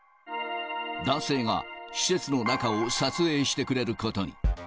男性が、施設の中を撮影してくれることに。